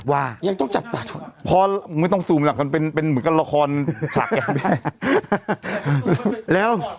ว่ายังต้องจับตาดูพอมึงไม่ต้องซูมหลังมันเป็นเป็นเหมือนกับละครฉากแห่ง